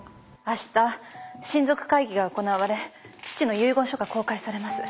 明日親族会議が行われ父の遺言書が公開されます。